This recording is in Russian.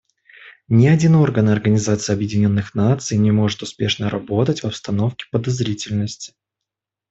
Ни один орган Организации Объединенных Наций не может успешно работать в обстановке подозрительности.